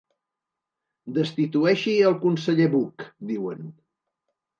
Destitueixi el conseller Buch, diuen.